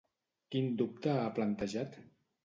Quin dubte ha plantejat?